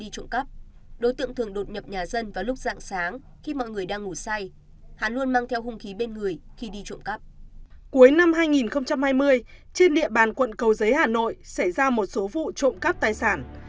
cuối năm hai nghìn hai mươi trên địa bàn quận cầu giấy hà nội xảy ra một số vụ trộm cắp tài sản